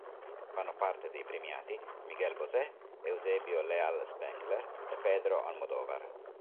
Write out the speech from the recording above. Fanno parte dei premiati Miguel Bosé, Eusebio Leal Spengler e Pedro Almodóvar.